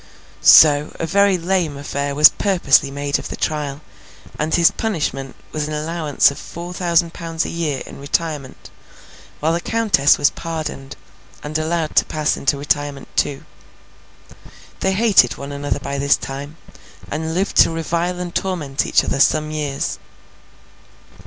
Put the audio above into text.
So, a very lame affair was purposely made of the trial, and his punishment was an allowance of four thousand pounds a year in retirement, while the Countess was pardoned, and allowed to pass into retirement too. They hated one another by this time, and lived to revile and torment each other some years.